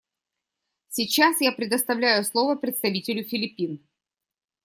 Сейчас я предоставляю слово представителю Филиппин.